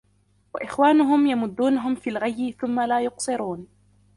وَإِخْوَانُهُمْ يَمُدُّونَهُمْ فِي الْغَيِّ ثُمَّ لَا يُقْصِرُونَ